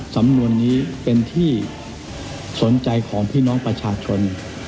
สำนวนนี้เป็นที่สนใจของพี่น้องประชาชน